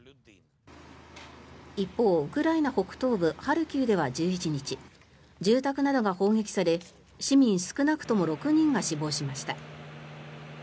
一方、ウクライナ北東部ハルキウでは１１日住宅などが砲撃され市民少なくとも６人が死亡しました。